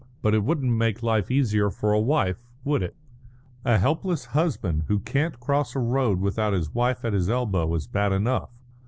But it wouldn't make life easier for a wife, would it? A helpless husband who can't cross a road without his wife at his elbow is bad enough.